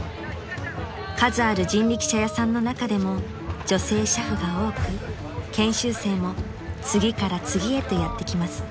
［数ある人力車屋さんの中でも女性俥夫が多く研修生も次から次へとやってきます］